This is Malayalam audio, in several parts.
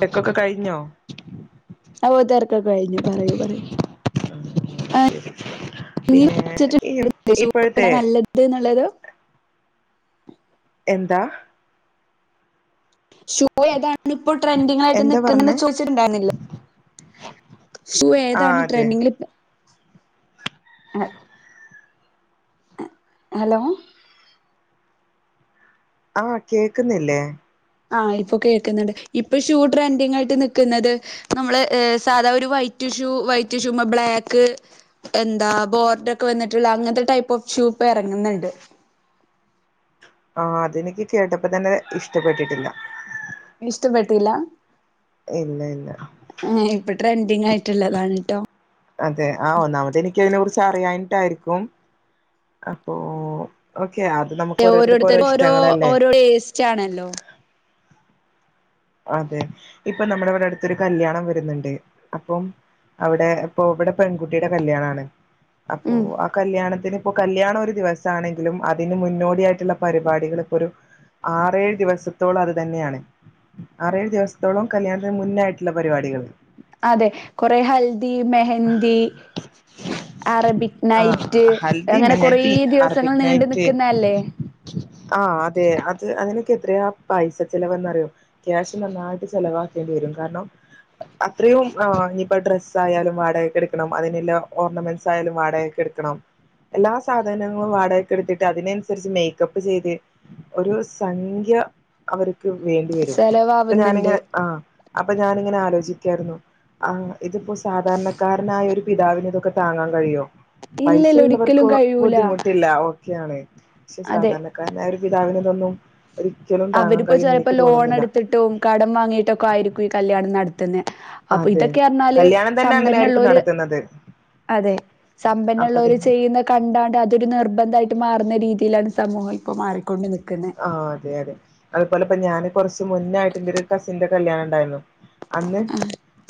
തെക്കൊക്കെ കഴിഞ്ഞോ അപ്പോ തിരക്കൊക്കെ കഴിഞ്ഞു പറയൂ പറയൂ നീ പിന്നെ ഈ ഇപ്പഴത്തെ ത് ന്നുള്ളത് എന്താ ഷൂ ഏതാണ് ഇപ്പോ ട്രെൻഡിങ്ങായിട്ട് എന്താ പറഞ്ഞേ നിക്കുന്നെന്ന് ചോയ്ച്ചിട്ടുണ്ടായ്ര്ന്നില്ലേ ഷൂ ആഹ് ഏതാണ് അതെ ട്രെൻഡിങ്ങില് പൊ ഹലോ ആഹ് കേക്ക്ന്നില്ലേ? ആഹ് ഇപ്പൊ കേക്ക്ന്ന്ണ്ട് ഇപ്പൊ ഷൂ ട്രെൻഡിങ്ങായിട്ട് നിക്കുന്നത് നമ്മള് സാധാ ഒരു വൈറ്റ് ഷൂ വൈറ്റ് ഷൂമെ ബ്ലാക്ക് എന്താ ബോർഡെക്കെ വന്നിട്ടുള്ള അങ്ങൻത്തെ ടൈപ്പ് ഓഫ് ഷ്യൂപ്പെറങ്ങ്ന്ന്ണ്ട് ആഹ് തെനിക്ക് കേട്ടപ്പതന്നെ ഇഷ്ടപ്പെട്ടിട്ടില്ല ഇഷ്ട്ടപ്പെട്ടില്ല ഇല്ല ഇല്ല ആഹ് ഇപ്പൊ ട്രെൻഡിങ്ങായ്ട്ട്ള്ളതാണീട്ടോ അതെ ആഹ് ഒന്നാമതെനിക്കതിനെ കുറിച്ച് അറിയായ്ട്ടായിരിക്കും അപ്പോ ഓക്കെ അത് നമുക്ക് ഓരോര്ത്തര്ക്ക് ഓരോ ഇഷ്ട്ടങ്ങളല്ലേ ച്ചാണല്ലോ അതെ ഇപ്പൊ നമ്മടെവിടെ അടുത്തൊരു കല്യാണം വരുന്നുണ്ട് അപ്പം അവിടെ ഇപ്പൊ ഇവിടെ പെൺകുട്ടിയുടെ കല്യാണാണ് അപ്പോ ഉം ആ കല്യാണത്തിന് ഇപ്പൊ കല്യാണം ഒരു ദിവസാണെങ്കിലും അതിന് മുന്നോടിയായ്ട്ട്ള്ള പരിപാടികൾ ഇപ്പോ ഒരു ആറേഴ് ദിവസത്തോളം അത് തന്നെയാണ് ആറേഴ് ദിവസത്തോളം കല്യാണത്തിന് മുന്നായിട്ടുള്ള പരിപാടികൾ അതെ കൊറെ ഹൽദി മെഹന്തി അറബിക് ആ നൈറ്റ് ഹൽദി അങ്ങനെ കൊറേ മെഹന്തി ദിവസങ്ങൾ അറബിക് നീണ്ടു നൈറ്റ് നിക്കുന്നേല്ലേ ആഹ് അതെ അത് അതിനൊക്കെ എത്രയാ പൈസ ചെലവെന്നറിയോ ക്യാഷ് നന്നായിട്ട് ചെലവാക്കേണ്ടി വരും കാരണം അത്രയും ആഹ് ഇനിയിപ്പോ ഡ്രസ്സയാലും വാടകക്കെടുക്കണം അതിനില്ല ഓർണമെന്റ്സായാലും വാടക എടുക്കണം എല്ലാ സാധനങ്ങളും വാടകക്കെടുത്തിട്ട് അതിനനുസരിച്ച് മേക്കപ്പ് ചെയ്ത് ഒരു സംഖ്യ അവര്ക്ക് വേണ്ടിവരും ഇപ്പൊ ചെലവാവുന്നുണ്ട്. ഞാനിങ്ങനെ ആഹ് അപ്പൊ ഞാനിങ്ങനെ ആലോചിക്കായിരുന്നു ആഹ് ഇതിപ്പോ സാധാരണക്കാരനായ ഒരു പിതാവിനിതൊക്കെ താങ്ങാൻ കഴിയോ? പൈസ ഇല്ലല്ല ഒരിക്കലും ഇള്ളവർക്ക് കഴിയൂല ബുദ്ധിമുട്ടില്ല ഓക്കെയാണ്. പക്ഷെ അതെ സാധാരണ ക്കാരനായ ഒരു പിതാവിനിതൊന്നും ഒരിക്കലും താങ്ങാൻ കഴിയുംന്ന് എനിക്ക് തോന്നുന്നില്ല ട്ടും കടം വാങ്ങിയിട്ടൊക്കെ ആയിരിക്കും ഈ കല്യാണം നടത്ത്ന്നെ അപ്പൊ അതെ ഇതൊക്കെർഞ്ഞാല് കല്യാണം തന്നെ അങ്ങനെ ആയിരിക്കും സമ്പന്നള്ളോല് നടത്തുന്നത് അതെ. അപ്പൊ സമ്പന്നള്ളോര് അതിന് ചെയ്യുന്ന കണ്ടാണ്ട് അതൊരു നിർബന്ധായിട്ട് മാറുന്ന രീതിയിലാണ് സമൂഹം ഇപ്പോ മാറിക്കൊണ്ട് നിക്കുന്നെ. ആഹ് അതെ അതെ. അതുപോലെപ്പം ഞാന് കുറച്ച് മുന്നായിട്ട് എന്റെ ഒരു കസിന്റെ കല്യാണംണ്ടായ്രുന്നു. അന്ന്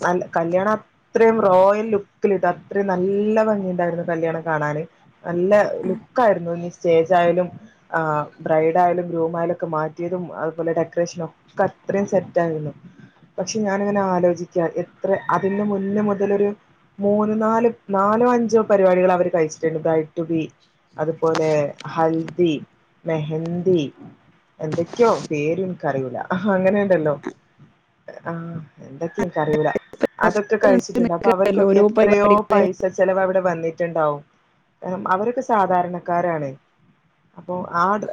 നല്ല കല്യാണ ത്രേം റോയൽ ലുക്കിലിട്ട് അത്രയും നല്ല ഭംഗിണ്ടായിരുന്നു കല്യാണം കാണാന്. നല്ല ലുക്കായിരുന്നു ഇനി സ്റ്റേജായാലും ആ ബ്രൈഡ് യാലും ഗ്രൂമായാലും ഒക്കെ മാറ്റിയതും അതുപോലെ ഡെക്കറേഷനും ഒക്കെ അത്രയും സെറ്റായിരുന്നു. പക്ഷേ ഞാനിങ്ങനെ ആലോചിക്കാ. എത്ര അതിന് മുന്നേ മുതലൊരു മൂന്ന് നാല് നാലോ അഞ്ചോ പരിപാടികള് അവര് കഴിച്ചിട്ടുണ്ട്. ബ്രൈഡ്‌ റ്റു ബി അത്പോലെ ഹൽദി, മെഹ ന്തി എന്തൊക്കെയോ പേര് എനിക്കറിയൂല. ഹാ അങ്ങനെ ഉണ്ടല്ലോ. ആഹ് എന്തൊക്കയോ എനിക്ക് അറിയൂല. അതൊക്കെ കഴിച്ചിട്ടുണ്ട്. അപ്പോ നിക്കല്ലോ അവർക്കൊക്കെ ഓരോ എത്രയോ പരിപാടികളായി പൈസ സ ചെലവ് അവിടെ വന്നിട്ടുണ്ടാവും. അവരൊക്കെ സാധാരണക്കാരാണ്. അപ്പോ ആ ഡ്ര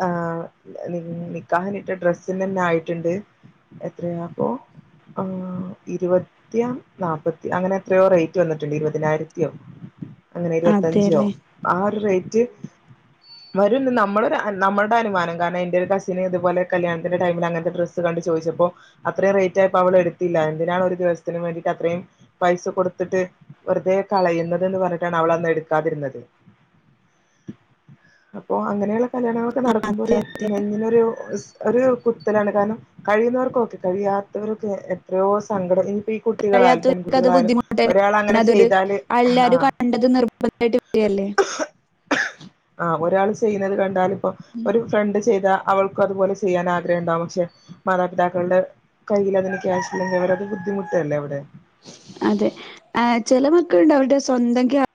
നിക്കാഹിന് ഇട്ട ഡ്രസ്‌ന്നന്നെ ആയിട്ട്ണ്ട് എത്രയാക്കോ ആഹ് ഇരുപ ത്തിയാ നാപ്പത്തി അങ്ങനെ എത്രയോ റേറ്റ് വന്നിട്ട്ണ്ട്. ഇരുപതിനായിരത്തിയോ അങ്ങനെ ഇരുപത്തഞ്ചോ അതെല്ലേ ആ ഒരു റേറ്റ് വരുന്ന് നമ്മളെ നമ്മളടെ അനുമാനം കാരണം എന്റെ ഒരു കസിന് ഇതുപോലെ കല്യാണത്തിന്റെ ടൈമില് അങ്ങനത്തെ ഡ്രസ് കണ്ട് ചോദിച്ചപ്പോ അത്രയും റേറ്റ് ആയപ്പോ അവള് എടുത്തില്ല. എന്തിനാണ് ഒരു ദിവസത്തിന് വേണ്ടിട്ട് അത്രയും പൈസ കൊടുത്തിട്ട് വെറുതെ കളയുന്നത് എന്ന് പറഞ്ഞിട്ടാണ് അവള് അന്ന് എടുക്കാതിരുന്നത്. [inaudible] അപ്പോ അങ്ങനെയുള്ള കല്യാണങ്ങളൊക്കെ നടക്കുമ്പോ ഒരു ചങ്കിനൊരു ഒരു കുത്തലാണ്. കാരണം കഴിയുന്നവർക് ഓക്കെ കഴിയാത്തവരൊക്കെ എത്രയോ സങ്കടം ഇനിപ്പ ഈ കുട്ടികളായാലും കഴിയത്തവർക്ക് അത് പെൺകുട്ടികളായാലും ബുദ്ധിമുട്ടന്നെണ്. ഒരാൾ പിന്നെ അങ്ങനെ അതൊരു ചെയ്താല് ആ എല്ലാരും കണ്ടത് നിർബന്ധ അടിപൊളിയല്ലേ ആഹ് ഒരാൾ ചെയ്യുന്നത് കണ്ടാല് ഇപ്പ ഒരു ഫ്രണ്ട് ചെയ്താ അവൾക്ക് അതുപോലെ ചെയ്യാൻ ആഗ്രഹം ഉണ്ടാവും. പക്ഷേ മാതാപിതാക്കളുടെ കയ്യിലതിന് ക്യാഷ് ഇല്ലാതെ അവരത് ബുദ്ധിമുട്ടല്ലേ അവിടെ. അതെ ആഹ് ചെല മക്കളുണ്ട് അവരുടെ സ്വന്തം ക്യാ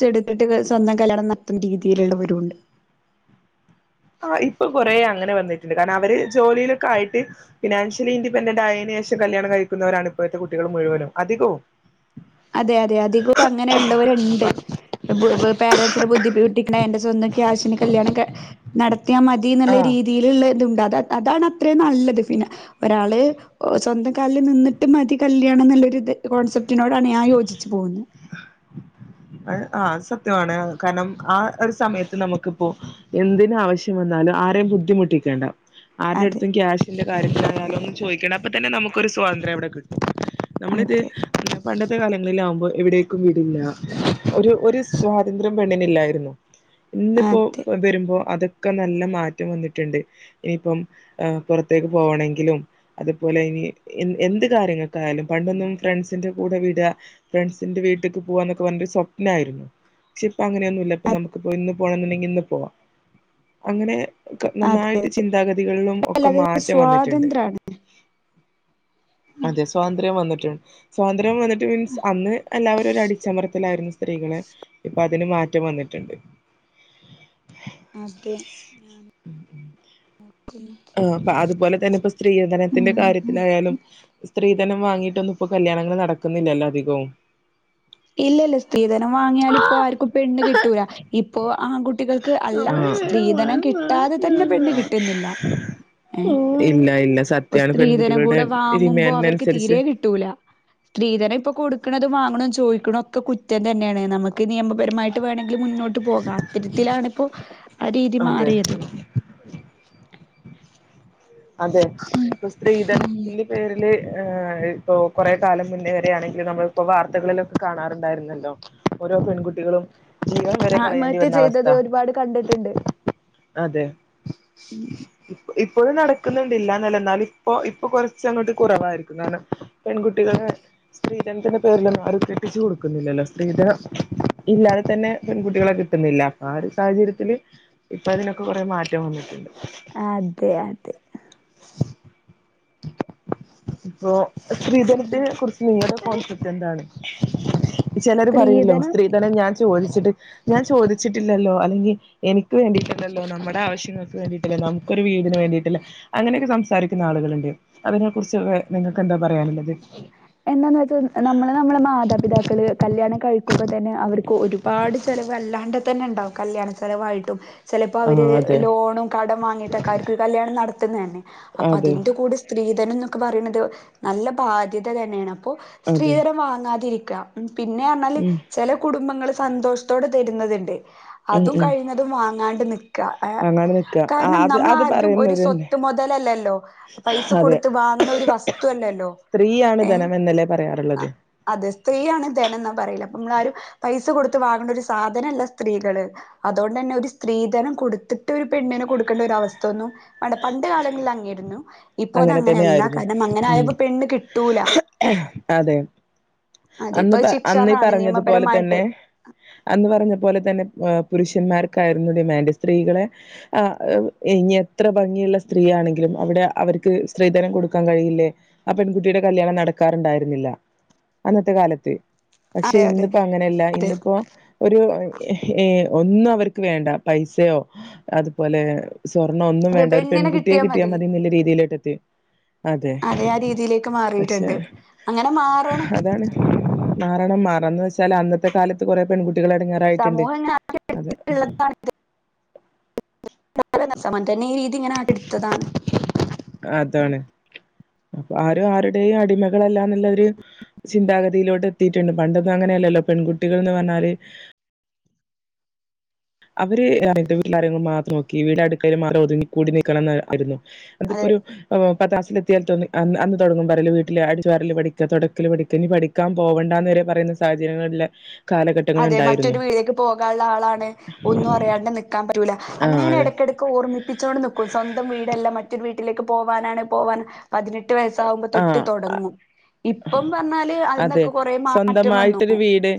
ശെടുത്തിട്ട് സ്വന്തം കല്യാണം നടത്തുന്ന രീതിയിലുള്ളവരും ഉണ്ട്. ആഹ് ഇപ്പോ കൊറേ അങ്ങനെ വന്നിട്ടുണ്ട്. കാരണം അവര് ജോലിയിലൊക്കെ ആയിട്ട് ഫിനാൻഷ്യലി ഇൻഡിപെണ്ടൻഡ് ആയതിന് ശേഷം കല്യാണം കഴിക്കുന്നവരാണ് ഇപ്പോഴത്തെ കുട്ടികൾ മുഴുവനും അധികവും. അതെ അതെ അധികവും ഇപ്പോ അങ്ങനെയുള്ളവരുണ്ട്. പ് പ് പാരൻറ്സിനെ ബുദ്ധിമുട്ടിക്കണേണ്ട് സ്വന്തംക്യാഷിന് കല്യാണം ക നടത്തിയാമതി മതി എന്നുള്ള ആഹ് രീതിയിലുള്ള ഇതുംണ്ട്. അത് അതാണ് അത്രയും നല്ലത് പിന്നെ ഒരാള് സ്വന്തം കാലിൽ നിന്നിട്ടു മതി കല്യാണം എന്നുള്ളൊരു ഇത് കോൺസെപ്റ്റിനോട് ആണ് ഞാൻ യോജിച്ചു പോകുന്ന്. ആഹ് അത് സത്യമാണ്. കാരണം ആ ഒരു സമയത്ത് നമുക്കിപ്പോ എന്തിന് ആവശ്യം വന്നാലും ആരെയും ബുദ്ധിമുട്ടിക്കേണ്ട ആരുടെ അതെ അടുത്തും ക്യാഷിന്റെ കാര്യത്തിലായാലും ഒന്നും ചോദിക്കണ്ട. അപ്പോ തന്നെ നമുക്കൊരു സ്വാതന്ത്ര്യം അവിടെ കിട്ടും. നമ്മളിത് അതെ പണ്ടത്തെ കാലങ്ങളില് ആകുമ്പോ എവിടേക്കും വിടില്ല ഒരു ഒരു സ്വാതന്ത്ര്യം പെണ്ണിനില്ലായിരുന്നു. ഇന്നിപ്പോ അതെ വരുമ്പോ അതൊക്കെ നല്ല മാറ്റം വന്നിട്ടുണ്ട്. ഇനിപ്പം പൊറത്തേക്ക് പോണെങ്കിലും അതുപോലെ ഇനി എ എന്ത് കാര്യങ്ങൾക്കായാലും പണ്ടൊന്നും ഫ്രണ്ട്സിന്റെ കൂടെ വിടാ ഫ്രണ്ട്സിൻ്റെ വീട്ടിക്ക് പോകാന്നൊക്കെ പറഞ്ഞാ ഒരു സ്വപ്നായിരുന്നു. പക്ഷേ ഇപ്പ അങ്ങനൊന്നുമില്ല ഇപ്പ നമുക്ക് പോയി നിന്ന് പോണെന്നുണ്ടെങ്കിൽ ഇന്ന് പോവാം. അങ്ങനെ അതെ നന്നായിട്ട് ചിന്താഗതികളിലും അല്ല ഒക്കെ അതൊരു മാറ്റം വന്നിട്ട്ണ്ട്. സ്വാതന്ത്രാണ് അതെ സ്വാതന്ത്ര്യം വന്നിട്ട് സ്വാതന്ത്ര്യം വന്നിട്ട് മീൻസാ അന്ന് എല്ലാവരു ഒരു അടിച്ചമർ ത്തലായിരുന്നു സ്ത്രീകളെ, ഇപ്പോ അതിന് മാറ്റം വന്നിട്ട്ണ്ട്. അതെ ആ [unintelligible] ആഹ് പ്പ അതുപോലെ തന്നെ പ്പ സ് സ്ത്രീധനത്തിന്റെ കാര്യത്തിലായാലും, സ്ത്രീധനം വാങ്ങീട്ടൊന്നുംപ്പൊ കല്യാണങ്ങള് നടക്കുന്നില്ലല്ലോ അധി [unintelligible] ഇല്ലല്ല സ്ത്രീധനം വാങ്ങിയാല് പ്പോ ആർക്കും പെണ്ണ് കിട്ടൂല. ഇപ്പോ ആൺകു ട്ടികൾക്ക് അല്ല. ആഹ് സ്ത്രീധനം കിട്ടാതെ തന്നെ പെണ്ണ് കിട്ട്ന്നില്ല. ഏഹ്, ഇല്ല ഇല്ല അപ്പൊ സത്യാണ് സ്ത്രീധനം പെൺകുട്ടികളുടെ കൂടെ വാങ്ങുമ്പോ അവർക്ക് ഡിമാൻഡിനനുസരിച്ച് തീരേ കി ട്ടൂല. സ്ത്രീധനം ഇപ്പൊ കൊടുക്കണതും വാങ്ങ്ണതും ചോദി ക്ക്ണൊക്കെ കുറ്റം തന്നേണ്. നമുക്ക് നിയമപരമായിട്ട് വേണെങ്കിൽ മുന്നോട്ട് പോകാം, അത്തരത്തിലാണിപ്പൊ ആ രീതി അതെ മാറിയത് അതെ, ഇപ്പൊ സ്ത്രീധനത്തിന്റെ പേരില് ഏ ഇപ്പൊ കൊറേകാലം മുന്നേ വരേ ആണെങ്കില് നമ്മളിപ്പൊ, വാർത്തകളിലൊക്കെ കാണാറുണ്ടായിരുന്നല്ലോ ഓരോ പെൺകുട്ടികളും ജീവൻ വരെ കളയേണ്ടി ആത്മഹത്യ വന്ന അവസ്ഥ ചെയ്തത് ഒരുപാട് കണ്ടിട്ടുണ്ട് അതെ [inaudible] ഇപ്പ ഇപ്പോഴും നട ക്ക്ന്ന് ണ്ട് ഇല്ലാന്നല്ല എന്നാലും, ഇപ്പൊ ഇപ്പൊ കൊറച്ചങ്ങോട്ട് കുറവായിരിക്കും കാരണം പെൺകുട്ടികളെ സ്ത്രീധനത്തിന്റെ പേരിലൊന്നും ആരും കെട്ടിച്ച് കൊടുക്കുന്നില്ലല്ലോ. സ്ത്രീധനം ഇല്ലാതെ തന്നെ പെൺകുട്ടികളെ കി ട്ടുന്നില്ല. അപ്പൊ ആ ഒരു സാഹചര്യത്തില് ഇപ്പൊ അതിനൊക്കെ കൊറേ മാറ്റം വന്നിട്ട്ണ്ട്. അതെ അതെ. [inaudible] ഇപ്പോ, സ്ത്രീധനത്തിനെ കുറിച്ച് നിങ്ങടെ കോൺസെപ്റ്റെന്താണ്? ചെലരു പറയല്ലോ സ്ത്രീധനം സ്ത്രീധനം ഞാൻ ചോദിച്ചിട്ട് ഞാൻ ചോദിച്ചിട്ടില്ലല്ലോ, അല്ലെങ്കി എനിക്ക് വേണ്ടിയിട്ടല്ലല്ലോ, നമ്മുടെ ആവശ്യങ്ങൾക്ക് വേണ്ടിയിട്ടല്ലേ, നമുക്കൊരു വീടിന് വേണ്ടിയിട്ടല്ലേ അങ്ങനെയെക്കെ സംസാരിക്കുന്ന ആളുകളുണ്ട്. അതിനെ കുറിച്ച് വേ നിങ്ങക്കെന്താ പറയാനുള്ളത്? എന്താന്ന് വെച്ചാ, നമ്മള് നമ്മളെ മാതാപിതാക്കള് കല്യാണം കഴിക്കുമ്പോ തന്നെ അവർ ക്ക് ഒരുപാട് ചെലവ് അല്ലാണ്ടെത്തന്നെ ഇണ്ടാവും. കല്യാണച്ചെലവായിട്ടും ചെലപ്പോ ആ അവര് അതെ ലോണും കടം വാങ്ങിയിട്ടൊക്കാരിക്കും കല്യാണം നടത്തുന്നന്നെ. അപ്പൊ അതെ അതിന്റെ കൂടെ സ്ത്രീധനം ന്നൊക്കെ പറിണത് നല്ല ബാധ്യത തന്നേണ് അപ്പോ, അതെ സ്ത്രീധനം വാങ്ങാതിരിക്ക ഉം പിന്നെ പർഞ്ഞാല് ഉം ചെല കുടുംബങ്ങള് സന്തോഷത്തോടെ തരുന്നത്ണ്ട്. ഉം അതും ഉം കഴിഞ തും വാങ്ങാണ്ട് നിക്ക ഏ, അങ്ങനെ നിക്ക ആ കാരണം അത് നമ്മൾ അത് ആര്തും ഒരു പറയുന്നവരുണ്ട് സ്വത്ത് മൊതലല്ലല്ലോ പൈസ അതെ കൊടുത്ത് വാങ്ങ്ണ ഒരു വസ്തു അല്ലല്ലോ സ്ത്രീയാണ് ഏഹ് ധനം എന്നല്ലേ പറയാറ്ള്ളത്. അതെ സ്ത്രീയാണ് ധനം ന്നാ പറയല്. അപ്പൊ ഇങ്ങളാരും പൈസ കൊടുത്ത് വാങ്ങണ്ട ഒരു സാധനല്ല സ്ത്രീകള് അതോണ്ടെന്നെ ഒരു സ്ത്രീധനം കൊടുത്തിട്ട് ഒരു പെണ്ണിനെ കൊടുക്കണ്ട ഒരു അവസ്ഥ ഒന്നും പണ്ട് പണ്ട് കാലങ്ങളിൽ അങ്ങേയിരുന്നു. അങ്ങനെത്തന്നെ ആയിരുന്നു ഉം. കിട്ടൂല അതെ, അതെ അന്ന് ഇപ്പൊ പ അന്ന് ഈ ശിക്ഷാർഹാണ് നിയമപരമായിട്ട് പറഞ്ഞതുപോലെത്തന്നെ അന്ന് പറഞ്ഞപോലെത്തന്നെ പുരുഷന്മാർക്കായിരുന്നു ഡിമാൻഡ്, സ്ത്രീകളെ ആഹ് ഇനി എത്ര ഭംഗിയുള്ള സ്ത്രീയാണെങ്കിലും അവിടെ അവർക്ക് സ്ത്രീധനം കൊടുക്കാൻ കഴിയില്ലേ, ആ പെൺകുട്ടിയുടെ കല്യാണം നടക്കാറുണ്ടായിരുന്നില്ല. അന്നത്തെ കാലത്ത്. പക്ഷെ അതെ അതെ ഇന്ന്പ്പോ അങ്ങനെയല്ല, അതെ ഇന്ന്പ്പോ ഒരു ഏഹ് ഒന്നു അവർക്ക് വേണ്ട, പൈസയോ അതുപോലേ സ്വർണൊ ഒന്നും വേണ്ട, ഒരു പെൺുട്ടിയെ കിട്ടിയാ മതി ന്ന്ള്ള രീതി [unintelligible] അതെ, ആ രീതിയിലേക്ക് പക്ഷെ മാറിയിട്ടുണ്ട് അങ്ങനെ മാറണം അതാണ്. മാറണം മാറണംന്ന് വെച്ചാല് അന്നത്തെ കാലത്ത് കൊറേ പെൺകുട്ടികള് എട്ങ്ങ സമൂഹങ്ങനെ [unintelligible] [unintelligible] ഈ രീതി ഇങ്ങനെ ആണ് ട്ത്തതാണ് അതാണ്. ആരും ആരുടെയും അടിമകളല്ല ന്നുള്ളരു ചിന്താഗതിയിലോട്ട് എത്തിയിട്ടുണ്ട് പണ്ടൊന്നും അങ്ങനെയല്ലല്ലോ പെൺകുട്ടികൾ ന്ന് പറഞ്ഞാല് അവര് അവിടുത്തെ വീട്ട്കാരെങ്ങള് മാത്രം നോക്കി വീട് അടുക്കളയിൽ മാത്രം ഒതുങ്ങി കൂടി നിൽക്കണം എന്ന് ആയിരുന്നു അതെ തിപ്പോ ഒരു ഓഹ് പത്താംസില് എത്തിയാൽ റ്റൊന്ന് അന്ന് അന്ന് തുടങ്ങും പറയില് വീട്ടില് അടിച്ച് വാരല് പഠിക തുടക്കല് പഠിക്ക ഇനി പഠി ക്കാൻ പോവണ്ടാന്ന് വരെ പറയുന്ന സാഹചര്യങ്ങളില് അതെ മറ്റൊരു വീടേക്ക് പോകാൻള്ള ആളാണ് ണ് ഒന്നുംഅറിയാണ്ട് നിക്കാൻ പറ്റൂല്ല ആ അങ്ങനെനെ അതെ ഇടക്കിടക്ക് ഓർമ്മിപ്പിച്ചോണ്ട് നിക്കും സ്വന്തം വീടല്ല മറ്റൊരു വീട്ടിലേക്ക് പോവാനാണ് പോവാൻ പതിനെട്ട് വയസ്സാഉമ്പോ തൊട്ട് ആ തൊടങ്ങും ഇപ്പം പറഞ്ഞാല് അതിൽന്നൊക്കെ കൊറെ മാറ്റം വന്നു ഒരു വീട്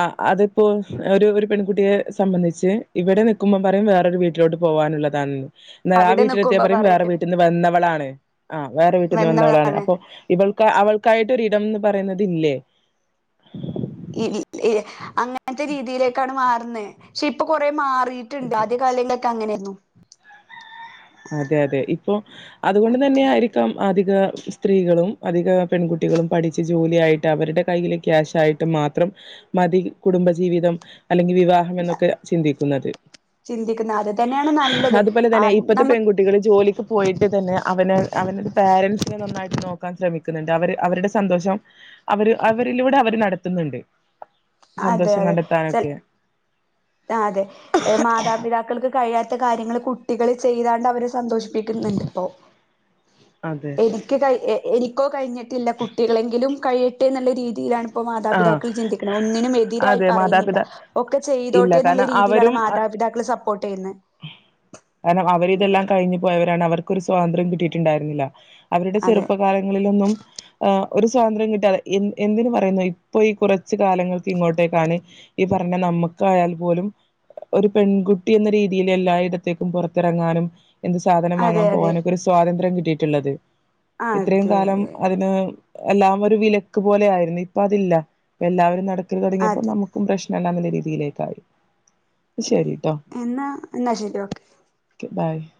ആഹ് അതിപ്പോഎഹ് ഒരു ഒരു പെൺകുട്ടിയെ സംബന്ധിച്ച് ഇവിടെ നിക്കുമ്പം പറയും വേറൊരു വീ ട്ടിലോട്ട് പോവാനുള്ളതാന്ന് എന്നാലാ ആ അവിടെ വീട്ടിലെത്തിയാ നിക്കുമ്പോ പറയും വേറെ വീ ട്ട്ന്ന് വന്നവളാണ് ആഹ് വേറെ വീട്ടിന്ന് വന്നവളാണ് വന്നതാണ് അപ്പോ ഇവൾക്ക് അവൾ കായിട്ടൊരിടംന്ന് പറയുന്നത് ഇല്ലേ ഇൽ യേ അങ്ങൻത്തെ രീതിയിലേക്കാണ് മാറുന്നെ ക്ഷെ ഇപ്പൊ കൊറേ മാ റീറ്റ്ണ്ട് അതെ ആദ്യ കാലങ്ങളൊക്കെങ്ങനെരുന്നു അതെ അതെ ഇപ്പൊ അതുകൊണ്ട് തന്നെ ആയിരിക്കാം അധിക സ്ത്രീകളും അധിക പെൺകുട്ടികളും പഠിച്ച് ജോലിയായിട്ട് അവരുടെ കയ്ല് ക്യാഷയിട്ട് മാത്രം മതി കുടുംബജീവിതം അല്ലെങ്കിൽ വിവാ അങ്ങന്നൊക്കെ ചിന്തിക്കുന്നത് ചിന്തിക്കുന്നത് അത് തന്നെയാണ് നല്ലത് അതുപോലെ ആ തന്നെ ഇ നമുക്ക് കുട്ടികള് ജോലിക്ക് പോയിട്ട് തന്നെ അവന് അവനൊരു പേരൻസിനെ നന്നായിട്ട് നോക്കാൻ ശ്രമി ക്കുന്നുണ്ട് അവര് അവരുടെ സന്തോഷം അവര് അവരിലൂടെ അവര് നടത്തുന്നുണ്ട് അതെ സന്തോഷം അതെ ചെ കണ്ടെത്താനൊക്കെ ആഹ് അതെ മാതാപിതാക്കൾക്ക് കഴിയാത്ത കാര്യങ്ങൾ കുട്ടികള് ചെയ്താട്ട് അവരെ സന്തോഷി പ്പിക്ക്ന്ന്ണ്ട് പ്പോ അതെ എനിക്ക് കൈ എ എനിക്കോ കഴിഞ്ഞിട്ടില്ല കുട്ടികളെങ്കിലും കഴിയട്ടെ ന്നുള്ള രീ തിയിലാണ് ഇപ്പോ ആഹ് മാതാപിതാക്കൾ ചിന്തിക്കുണെ ഒന്നിനും എതിരായി അതെ പറയുന്നില്ല മാതാപിതാ ഒക്കെ ചെയ്തോ ഇല്ല കാരണം അവരും അഹ് ചെയ്യുന്നത് കാരണം അവരിതെല്ലാം ക കഴിഞ്ഞു പോയവരാണ് അവർക്കൊരു സ്വാതന്ത്ര്യം കിട്ടിയിട്ടുണ്ടായിരുന്നില്ല അവരുടെ അതെ ചെറുപ്പകാലങ്ങളിലൊന്നും ആഹ് ഒരു സ്വാതന്ത്ര്യം കിട്ടിയാ എ എന്തിന് പറയുന്നു ഇപ്പൊ ഈ കുറച്ച് കാലങ്ങൾക്ക് ഇങ്ങോട്ടേക്കാണ് ഈ പറഞ്ഞ നമ്മുക്കായാൽ പോലും ഒരു പെൺകുട്ടി എന്ന രീതിയിയില് എല്ലായിടത്തേക്കും പുറത്തിറങ്ങാനും എന്ത് സാധനം അതെ വാങ്ങാൻ അതെ പോവാനൊക്കെ ഒരു സ്വാതന്ത്ര്യം കിട്ടിയിട്ടുള്ളത് ഇത്രയും കാലം അതെ അതിന് എല്ലാം ഒരു വിലക്ക് പോലെ ആയിരുന്നു ഇപ്പൊ അതില്ല എല്ലാവരും നടക്കൽ തുടങ്ങിയപ്പോ അതെ നമുക്കും പ്രശ് രണ്ടാമത് രീതിയിലേക്കായി ശരിട്ടോ എന്നാ എന്നാ ശരി ഓക്കെ [unintelligible]